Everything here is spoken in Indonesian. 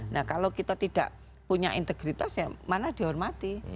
nah kalau kita tidak punya integritas ya mana dihormati